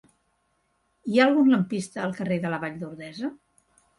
Hi ha algun lampista al carrer de la Vall d'Ordesa?